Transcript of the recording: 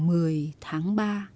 mùng một mươi tháng ba